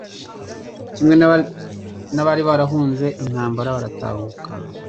kimwe n'abari barahunze intambara baratahuka